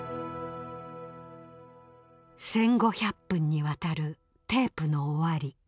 １，５００分にわたるテープの終わり。